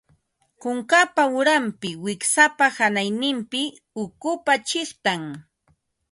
Kunkapa uranpi, wiksapa hanayninpi ukupa chiqtan